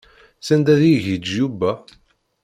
Sanda ad igiǧǧ Yuba?